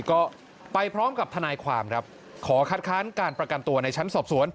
ก็ไปพร้อมกับทนายความครับขอคัดค้านการประกันตัวในชั้นสอบสวน